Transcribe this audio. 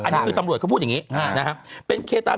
อันนี้คือตำรวจเขาพูดอย่างนี้นะครับ